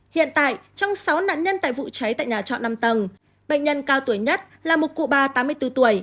hiện tại trong sáu nạn nhân tại vụ cháy tại nhà trọ năm tầng bệnh nhân cao tuổi nhất là một cụ bà tám mươi bốn tuổi